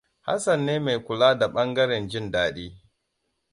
Hassan ne mai kula da ɓangaren jin daɗi.